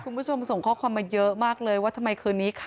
คุณผู้ชมส่งข้อความมาเยอะมากเลยว่าทำไมคืนนี้ค่ะ